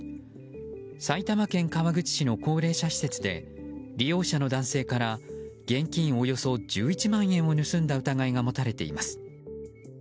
埼玉県川口市の高齢者施設で利用者の男性から現金およそ１１万円を盗んだ疑いが持たれています。